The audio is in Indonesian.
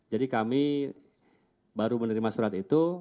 jadi kami baru menerima surat